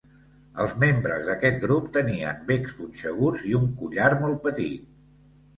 Els membres d'aquest grup tenien becs punxeguts i un collar molt petit.